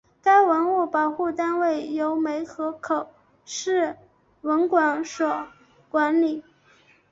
该文物保护单位由梅河口市文管所管理。